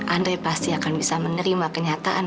andai pasti akan bisa menerima kenyataan